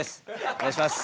お願いします。